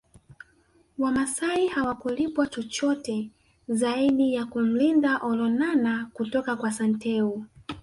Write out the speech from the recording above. Wamasai hawakulipwa chochote zaidi ya kumlinda Olonana kutoka kwa Santeu